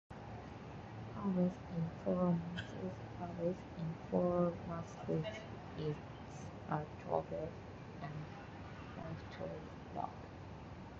Paris in Four Months - Paris in Four Months is a travel and lifestyle blog.